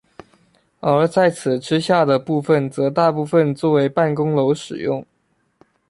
而在此之下的部分则大部分作为办公楼使用。